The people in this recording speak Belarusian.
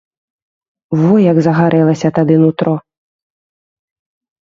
Во як загарэлася тады нутро.